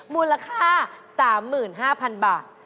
มูลค่า๓๕๐๐๐บาท